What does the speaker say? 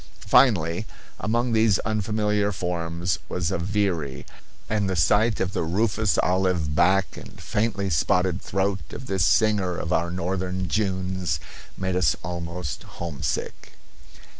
Finally, among these unfamiliar forms was a veery, and the sight of the rufous olive back and faintly spotted throat of this singer of our northern Junes made us almost homesick.